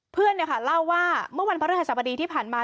เพื่อนเนี่ยค่ะเล่าว่าเมื่อวันพระเรื่องอาจารย์ประดีที่ผ่านมา